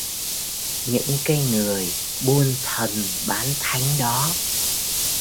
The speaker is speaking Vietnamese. Những cái người buôn thần bán thánh đó